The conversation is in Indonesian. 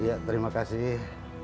iya terima kasih